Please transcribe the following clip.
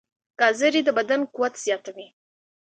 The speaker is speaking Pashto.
ګازرې د بدن قوت زیاتوي.